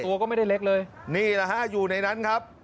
ตัวก็ไม่ได้เล็กเลยนี่แหละฮะอยู่ในนั้นครับ